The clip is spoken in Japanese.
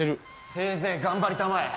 せいぜい頑張りたまえ。